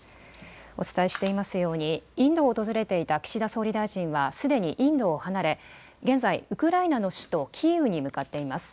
お伝えしていますようにインドを訪れていた岸田総理大臣はすでにインドを離れ現在ウクライナの首都キーウに向かっています。